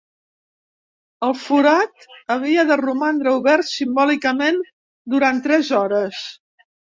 El forat havia de romandre obert simbòlicament durant tres hores.